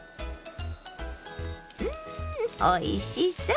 うんおいしそう！